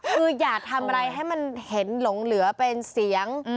คืออย่าทำอะไรให้มันเห็นหลงเหลือเป็นเสียง